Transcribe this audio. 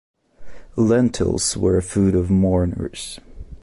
Lentils were a food of mourners.